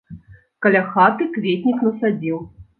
Каля хаты кветнік насадзіў.